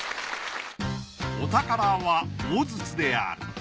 お宝は大筒である。